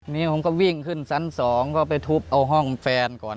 นี่ผมก็วิ่งขึ้นชั้น๒ก็ไปทุบเอาห้องแฟนก่อน